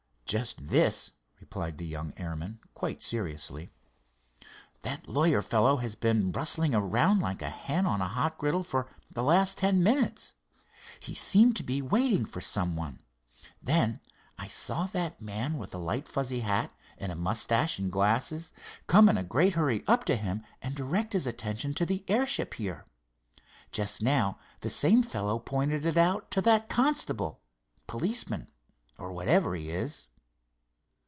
"Just this," replied the young airman, quite seriously. "That lawyer fellow has been rustling around like a hen on a hot griddle for the last ten minutes. He seemed to be waiting for someone. Then I saw that man with the light fuzzy hat, and a moustache and glasses, come in a great hurry up to him, and direct his attention to the airship here. Just now the same fellow pointed it out to that constable—policeman—or whatever he is."